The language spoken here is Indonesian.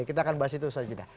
kita akan bahas itu saja